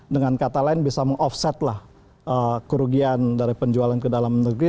dengan kata lain bisa meng offset lah kerugian dari penjualan ke dalam negeri